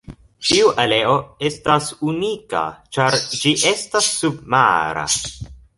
Iu aleo estas unika ĉar ĝi estas submara.